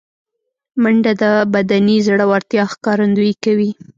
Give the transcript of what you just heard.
منډه د بدني زړورتیا ښکارندویي کوي